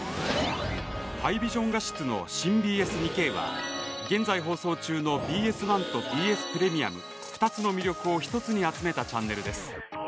ハイビジョン画質の新ＢＳ２Ｋは、現在放送中のＢＳ１とＢＳプレミアム２つの魅力を１つに集めたチャンネルです。